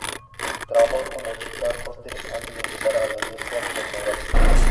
Trabajó como Chica Hooters antes de ingresar a la industria pornográfica.